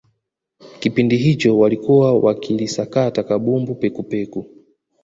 kipindi hicho walikuwa wakilisakata kabumbu pekupeku